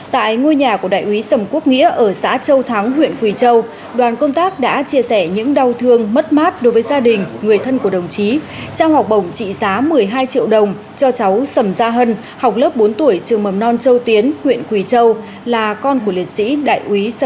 tại ngôi nhà của đại úy sầm quốc nghĩa ở xã châu thắng huyện quỳ châu đoàn công tác đã chia sẻ những đau thương mất mát đối với gia đình người thân của đồng chí trao học bổng trị giá một mươi hai triệu đồng cho cháu sầm gia hân học lớp bốn tuổi trường mầm non châu tiến huyện quỳ châu là con của liệt sĩ